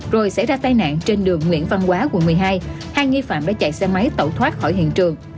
rồi xảy ra tai nạn trên đường nguyễn văn quá quận một mươi hai hai nghi phạm đã chạy xe máy tẩu thoát khỏi hiện trường